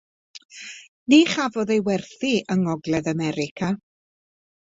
Ni chafodd ei werthu yng Ngogledd America.